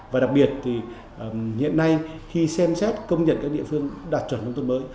và đặc biệt thì hiện nay khi xem xét công nhận các địa phương đạt chuẩn nông thôn mới